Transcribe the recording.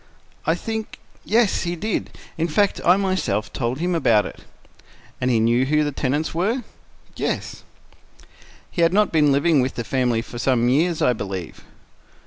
"I think—yes, he did. In fact, I myself told him about it." "And he knew who the tenants were?" "Yes." "He had not been living with the family for some years, I believe?"